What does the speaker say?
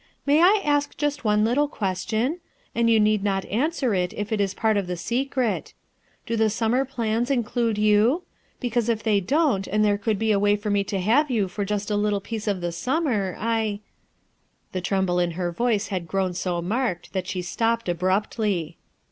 May I ask just one little question ?— and you need not answer it if it is part of the secret Do the summer plan's include you? Because if they don't, and there could be a way for me to have you for just a little piece of the summer, I —" The tremble in her voice had grown so marked that she stopped abruptly.